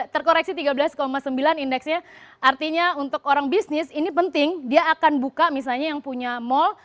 terkoreksi tiga belas sembilan indeksnya artinya untuk orang bisnis ini penting dia akan buka misalnya yang punya mall